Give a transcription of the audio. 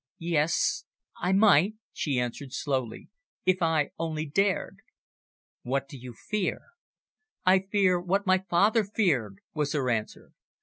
"Yes, I might," she answered slowly, "if I only dared." "What do you fear?" "I fear what my father feared," was her answer.